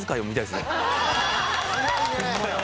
すごいね！